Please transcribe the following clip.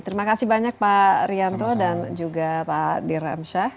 terima kasih banyak pak rianto dan juga pak diramsyah